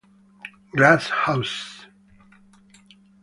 Glass Houses